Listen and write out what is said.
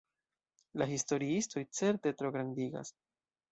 La historiistoj certe trograndigas!